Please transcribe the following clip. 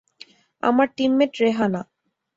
আমার টিমমেট রেহানা।